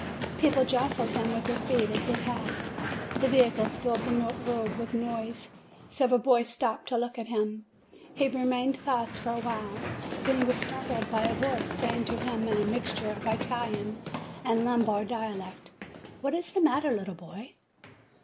People jostled him with their feet as they passed; the vehicles filled the road with noise; several boys stopped to look at him. He remained thus for a while. Then he was startled by a voice saying to him in a mixture of Italian and Lombard dialect, "What is the matter, little boy?"